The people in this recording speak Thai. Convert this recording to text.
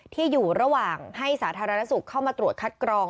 ที่อยู่ระหว่างให้สาธารณสุขเข้ามาตรวจคัดกรอง